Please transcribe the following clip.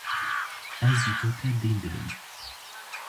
Ez ji bo te dîn dibim.